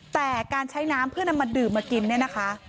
แต่การใช้น้ำเพื่อนำมาดื่มมากินเนี่ยนะคะ